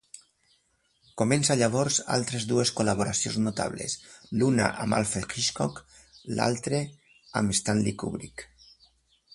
Comença llavors altres dues col·laboracions notables, l'una amb Alfred Hitchcock, l'altre amb Stanley Kubrick.